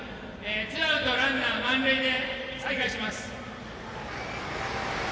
ツーアウトランナー満塁で再開します。